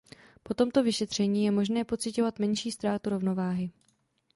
Po tomto vyšetření je možné pociťovat menší ztrátu rovnováhy.